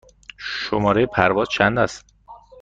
شماره پرواز چند است؟